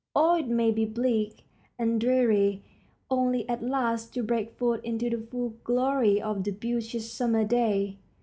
Or it may be bleak and dreary, only at last to break forth into the full glory of the beauteous Summer day.